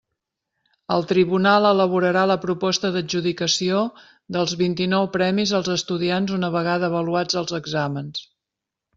El tribunal elaborarà la proposta d'adjudicació dels vint-i-nou premis als estudiants una vegada avaluats els exàmens.